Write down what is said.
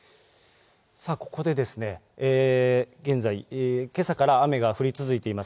ここで現在、けさから雨が降り続いています